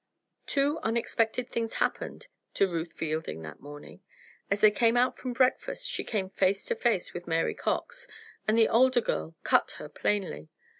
Two unexpected things happened to Ruth Fielding that morning. As they came out from breakfast she came face to face with Mary Cox, and the older girl "cut" her plainly.